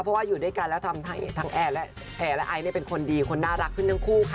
เพราะว่าอยู่ด้วยกันแล้วทั้งแอร์และแอร์และไอซ์เป็นคนดีคนน่ารักขึ้นทั้งคู่ค่ะ